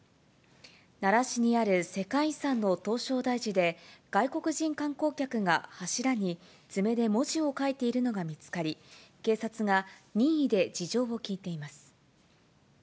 奈良市にある世界遺産の唐招提寺で、外国人観光客が柱に爪で文字を書いているのが見つかり、警察が任意で事情を聴いています。